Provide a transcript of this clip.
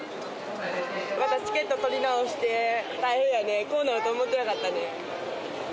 またチケット取り直して、大変やね、こうなると思ってなかったね。